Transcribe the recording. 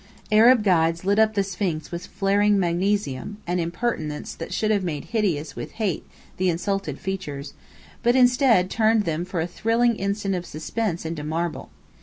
Arab guides lit up the Sphinx with flaring magnesium, an impertinence that should have made hideous with hate the insulted features, but instead turned them for a thrilling instant of suspense into marble.